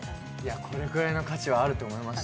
これくらいの価値はあると思います。